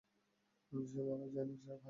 যে ও মারা যায়নি, স্রেফ হারিয়ে গেছে।